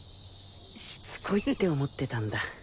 しつこいって思ってたんだ。